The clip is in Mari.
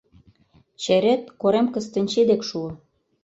Черет Корем Кыстинчи дек шуо.